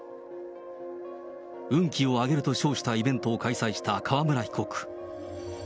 運気を上げると称したイベントを開催した川村被告。